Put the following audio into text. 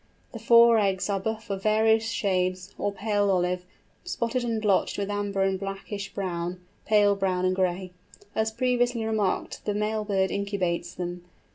The four eggs are buff of various shades, or pale olive, spotted and blotched with amber and blackish brown, pale brown and gray. As previously remarked the male bird incubates them.